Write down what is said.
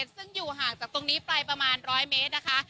ซึ่งอยู่ห่างจากตรงนี้ไปประมาณ๑๐๐เมตรนะคะ